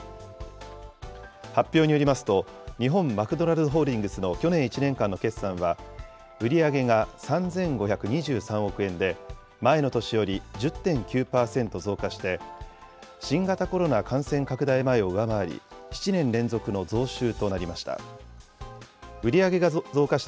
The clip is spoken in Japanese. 発表によりますと、日本マクドナルドホールディングスの去年１年間の決算は、売り上げが３５２３億円で、前の年より１０．９％増加して、新型コロナ感染拡大前を上回り、７年連続の増収となりました。